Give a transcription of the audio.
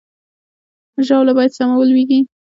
ژاوله باید سمه ولویږي، نه دا چې بل چاته ستونزه جوړه کړي.